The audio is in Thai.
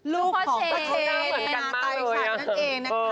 ลูกของเชน